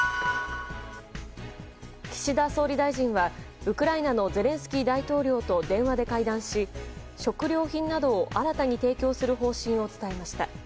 岸田総理大臣は、ウクライナのゼレンスキー大統領と電話で会談し、食料品などを新たに提供する方針を伝えました。